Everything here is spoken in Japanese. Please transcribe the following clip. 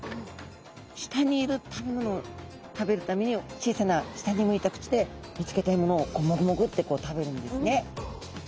下にいる食べ物を食べるために小さな下に向いた口で見つけた獲物をもぐもぐってこう食べるんですね。